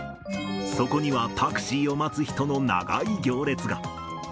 そこにはタクシーを待つ人の長い行列が。